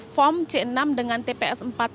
form c enam dengan tps empat puluh